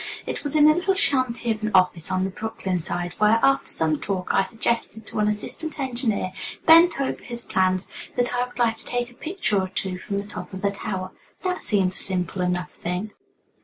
It was in a little shanty of an office on the Brooklyn side, where, after some talk, I suggested to an assistant engineer, bent over his plans, that I would like to take a picture or two from the top of the tower. That seemed a simple enough thing.